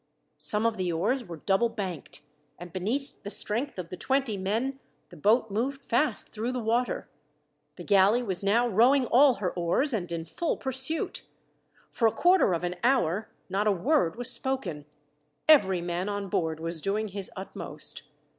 Some of the oars were double banked, and beneath the strength of the twenty men, the boat moved fast through the water. The galley was now rowing all her oars, and in full pursuit. For a quarter of an hour not a word was spoken. Every man on board was doing his utmost.